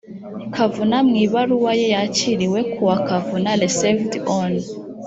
kavuna mu ibaruwa ye yakiriwe kuwa kavuna receved on